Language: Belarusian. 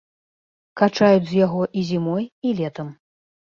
Качаюць з яго і зімой, і летам.